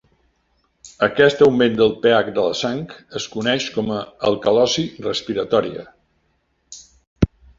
Aquest augment del pH de la sang es coneix com a alcalosi respiratòria.